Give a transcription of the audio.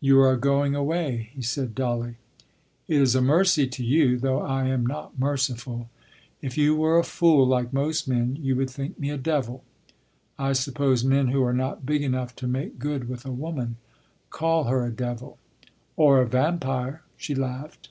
"You are going away," he said dully. "It is a mercy to you—though I am not merciful. If you were a fool, like most men, you would think me a devil." "I suppose men who are not big enough to make good with a woman—call her a devil—" "Or a vampire," she laughed.